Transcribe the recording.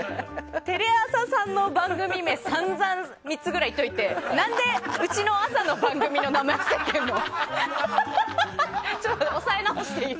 テレ朝さんの番組名散々３つぐらい言っといて何でうちの朝の番組の名前伏せてるの？